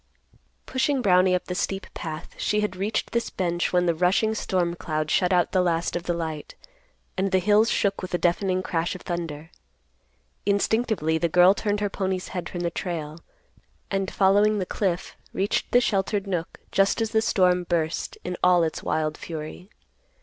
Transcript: Pushing Brownie up the steep path, she had reached this bench, when the rushing storm cloud shut out the last of the light, and the hills shook with a deafening crash of thunder. Instinctively the girl turned her pony's head from the trail, and, following the cliff, reached the sheltered nook, just as the storm burst in all its wild fury.